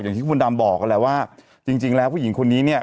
อย่างที่คุณดำบอกกันแหละว่าจริงแล้วผู้หญิงคนนี้เนี่ย